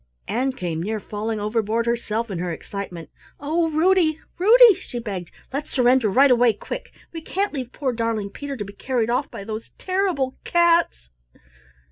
Ann came near falling overboard herself in her excitement. "Oh, Ruddy, Ruddy!" she begged, "let's surrender right away quick. We can't leave poor darling Peter to be carried off by those terrible cats."